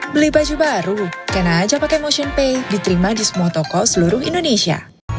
beli baju baru kena aja pake motionpay diterima di semua toko seluruh indonesia